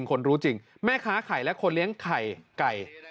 คนรู้จริงแม่ค้าไข่และคนเลี้ยงไข่ไก่